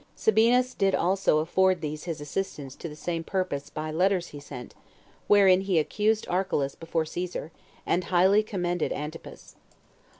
4. Sabinus did also afford these his assistance to the same purpose by letters he sent, wherein he accused Archelaus before Caesar, and highly commended Antipas.